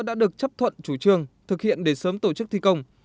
đã được chấp thuận chủ trương thực hiện để sớm tổ chức thi công